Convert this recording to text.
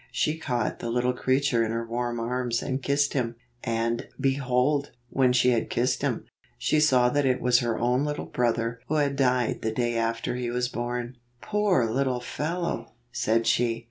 She caught the little creature in her warm arms and kissed him, and, behold, when she had kissed him, she saw that it was her own little brother who had died the day after he was born. "Poor little fellow!" said she.